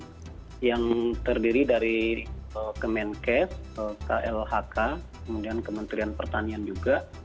ya sudah dibentuk tim yang terdiri dari kemenkes klhk kemudian kementerian pertanian juga